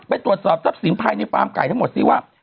ไปตรวจสอบทรัพย์สินภายในฟาร์มไก่ทั้งหมดสิว่า